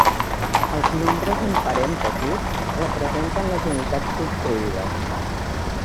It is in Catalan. Els nombres en parèntesis representen les unitats construïdes.